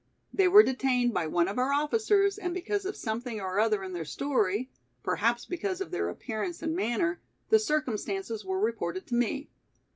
They were detained by one of our officers and because of something or other in their story, perhaps because of their appearance and manner, the circumstances were reported to me.